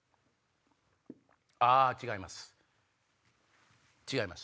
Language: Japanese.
あ違います。